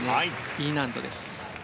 Ｅ難度です。